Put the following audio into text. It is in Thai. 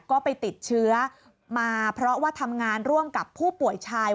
ก็ไปติดเชื้อมาเพราะว่าทำงานร่วมกับผู้ป่วยชาย